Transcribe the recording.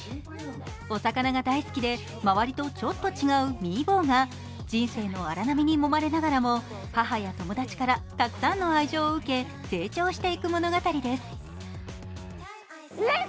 お魚が大好きで周りとちょっと違うミー坊が人生の荒波にもまれながらも、母や友達からたくさんの愛情を受け、成長していく物語です。